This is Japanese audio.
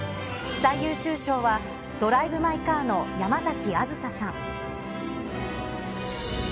最優秀賞はドライブ・マイ・カーの山崎梓さん。